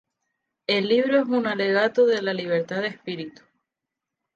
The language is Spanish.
El libro es un alegato de la libertad de espíritu.